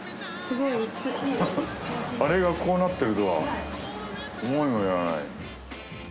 あれがこうなってるとは思いもよらない。